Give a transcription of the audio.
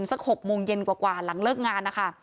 สัก๖โมงเย็นกว่าหลังเลิกงานนะคะ